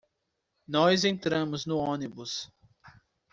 Nós entramos no ônibus